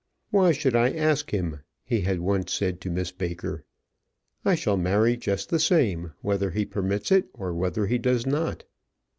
"Why should I ask him," he had once said to Miss Baker. "I shall marry just the same, whether he permits it or whether he does not."